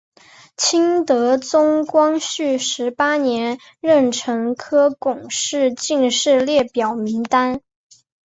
清德宗光绪十八年壬辰科贡士进士列表名单。